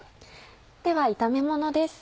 では炒めものです。